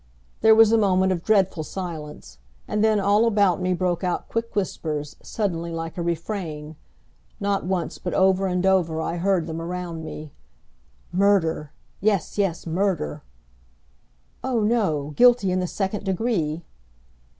There was a moment of dreadful silence, and then all about me broke out quick whispers, suddenly, like a refrain. Not once but over and over, I heard them around me. "Murder yes, yes, murder!" "Oh, no, guilty in the second degree."